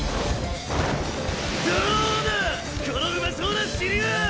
どうだこのうまそうな尻は！